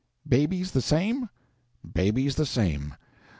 "Babies the same?" "Babies the same.